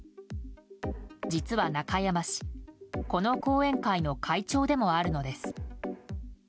実は中山氏この後援会の会長でもあるのです。